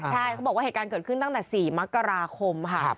ใช่เขาบอกว่าเหตุการณ์เกิดขึ้นตั้งแต่๔มกราคมค่ะ